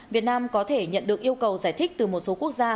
việt nam có thể nhận được yêu cầu giải thích từ một số quốc gia